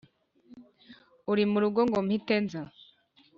uri murugo ngo mpite nza